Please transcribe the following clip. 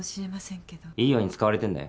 いいように使われてんだよ。